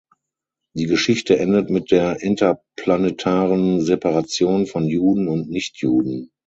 Die Geschichte endet mit der interplanetaren Separation von Juden und Nichtjuden.